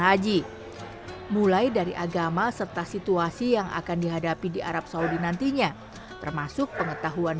haji mulai dari agama serta situasi yang akan dihadapi di arab saudi nantinya termasuk pengetahuan